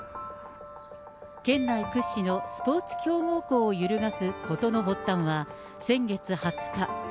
県内屈指のスポーツ強豪校を揺るがす事の発端は、先月２０日。